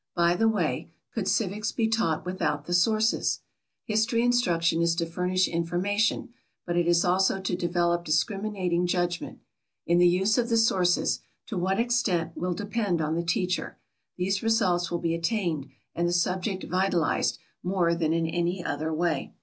By the way, could civics be taught without the sources? History instruction is to furnish information; but it is also to develop discriminating judgment. In the use of the sources to what extent, will depend on the teacher, these results will be attained, and the subject vitalized, more than in any other way.